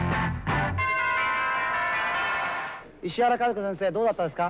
石原和子先生どうだったですか？